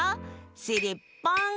しりっぽん！